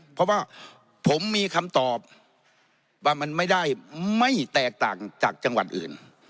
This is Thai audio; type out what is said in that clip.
เพราะว่าผมมีคำตอบว่ามันไม่ได้ไม่แตกต่างจากจังหวัดอื่น